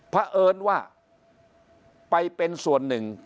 เพราะเอิญว่าไปเป็นส่วนหนึ่ง